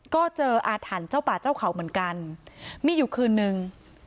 ก็เจออาถรรพ์เจ้าป่าเจ้าเขาเหมือนกันมีอยู่คืนนึง